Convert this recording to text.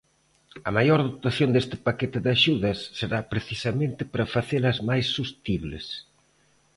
A maior dotación deste paquete de axudas será precisamente para facelas máis sostibles.